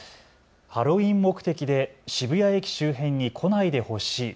ハロウィーン目的で渋谷駅周辺に来ないでほしい。